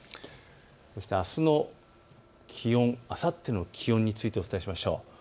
あすの気温、あさっての気温についてお伝えしましょう。